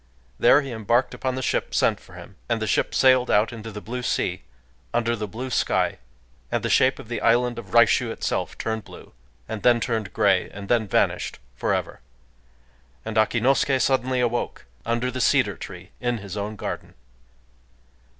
There he embarked upon the ship sent for him; and the ship sailed out into the blue sea, under the blue sky; and the shape of the island of Raishū itself turned blue, and then turned grey, and then vanished forever... And Akinosuké suddenly awoke—under the cedar tree in his own garden!